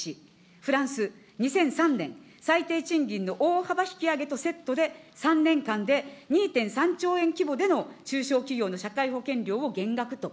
フランス、２００３年、最低賃金の大幅引き上げとセットで３年間で２．３兆円規模での中小企業の社会保険料を減額と。